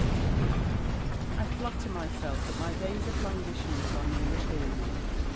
said he, 'I flatter myself that my days of languishment are near a period.'